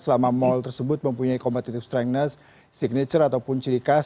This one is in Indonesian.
selama mall tersebut mempunyai competitive strengtness signature ataupun ciri khas